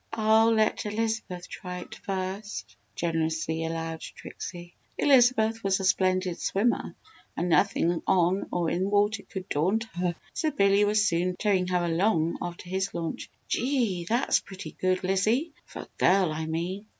"I'll let Elizabeth try it first," generously allowed Trixie. Elizabeth was a splendid swimmer and nothing on or in water could daunt her, so Billy was soon towing her along after his launch. "Gee! That's pretty good, Lizzie for a girl, I mean!"